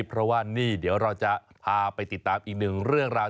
เพราะว่านี่เดี๋ยวเราจะพาไปติดตามอีกหนึ่งเรื่องราว